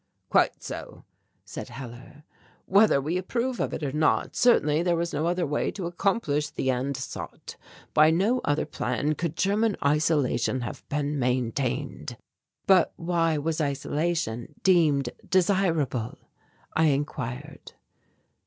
"Quite so," said Hellar, "whether we approve of it or not certainly there was no other way to accomplish the end sought. By no other plan could German isolation have been maintained." "But why was isolation deemed desirable?" I enquired.